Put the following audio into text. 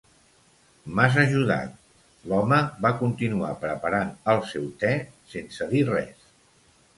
"M'has ajudat." L'home va continuar preparant el seu te, sense dir res.